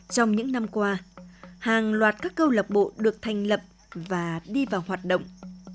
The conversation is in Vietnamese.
trong những năm qua hàng loạt các câu lạc bộ được thành lập và đi vào hoạt động